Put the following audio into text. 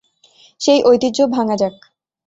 সেই ঐতিহ্য ভাঙা যাক!